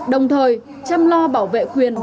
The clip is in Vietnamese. đồng thời chăm lo bảo vệ quyền